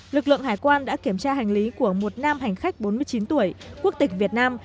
lực lượng hải quan đã kiểm tra hành lý của một nam hành khách bốn mươi chín tuổi quốc tịch việt nam